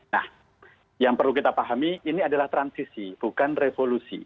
nah yang perlu kita pahami ini adalah transisi bukan revolusi